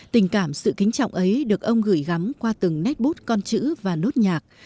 tình cảm sự kính trọng ấy được ông gửi gắm qua từng nét bút con chữ và nốt nhạc